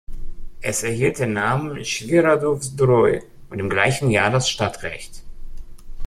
Es erhielt den Namen Świeradów-Zdrój und im gleichen Jahr das Stadtrecht.